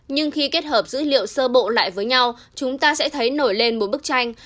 nhưng khi kết hợp dữ liệu sơ bộ lại với nhau chúng ta sẽ thấy nổi lên một bức tranh